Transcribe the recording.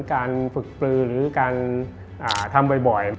การฝึกปลือหรือการทำบ่อย